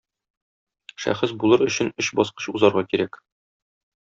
Шәхес булыр өчен өч баскыч узарга кирәк.